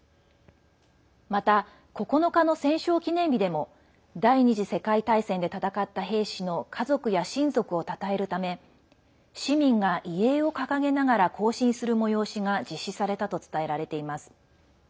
また、９日の戦勝記念日でも第２次世界大戦で戦った兵士の家族や親族をたたえるため市民が遺影を掲げながら行進する催しが実施されたと伝えられています。